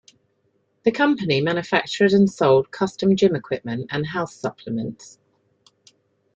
The company manufactured and sold custom gym equipment and health supplements.